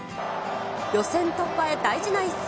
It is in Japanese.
予選突破へ大事な一戦。